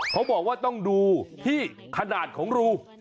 เขาบอกว่าต้องดูที่ขนาดของรู